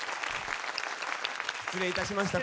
失礼いたしました。